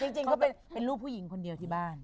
จริงเขาเป็นลูกผู้หญิงคนเดียวที่บ้าน